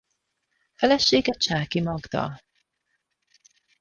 Felesége Csáki Magda.